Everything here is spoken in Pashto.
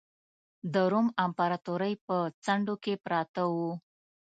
د روم امپراتورۍ په څنډو کې پراته وو.